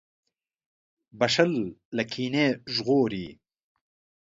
• بښل له کینې ژغوري.